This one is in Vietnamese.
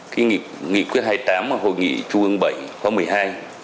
cái nghị quyết hai mươi tám và hội nghị chung ương bảy khoa một mươi hai